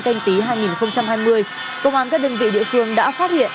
canh tí hai nghìn hai mươi công an các đơn vị địa phương đã phát hiện